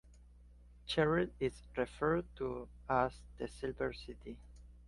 Sherrill is referred to as "The Silver City".